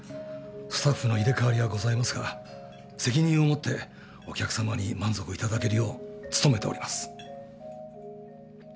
スタッフの入れ替わりはございますが責任を持ってお客さまに満足いただけるようつとめております。